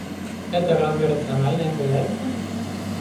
Это разве рациональное хозяйство?